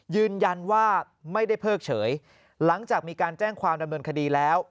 ยืนยันว่าไม่ได้เพิกเฉยหลังจากมีการแจ้งความดำเนินคดีแล้ว